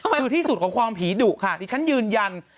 คือที่สุดของความผีดุค่ะดิฉันยืนยัน